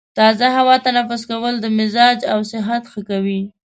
تازه هوا تنفس کول د مزاج او صحت ښه کوي.